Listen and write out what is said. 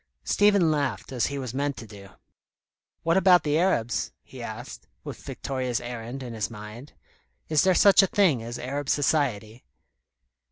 Stephen laughed, as he was meant to do. "What about the Arabs?" he asked, with Victoria's errand in his mind. "Is there such a thing as Arab society?"